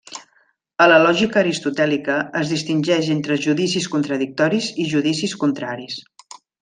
A la lògica aristotèlica, es distingeix entre judicis contradictoris i judicis contraris.